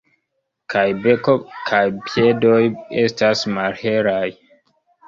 Kaj beko kaj piedoj estas malhelaj.